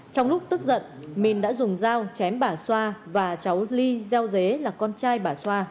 trong lúc tức giận minh đã dùng dao chém bà xoa và cháu ly gieo dế là con trai bà xoa